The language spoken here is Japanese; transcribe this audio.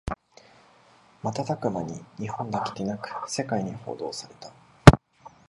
瞬く間に日本だけでなく世界に報道された